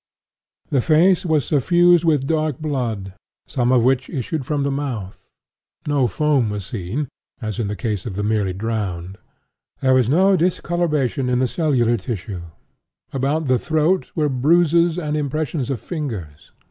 The face was suffused with dark blood, some of which issued from the mouth. No foam was seen, as in the case of the merely drowned. There was no discoloration in the cellular tissue. About the throat were bruises and impressions of fingers.